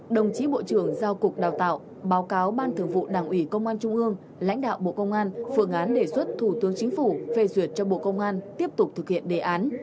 đồng chí bộ trưởng giao cục đào tạo báo cáo ban thường vụ đảng ủy công an trung ương lãnh đạo bộ công an phương án đề xuất thủ tướng chính phủ phê duyệt cho bộ công an tiếp tục thực hiện đề án